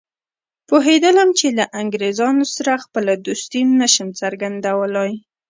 پوهېدلم چې له انګریزانو سره خپله دوستي نه شم څرګندولای.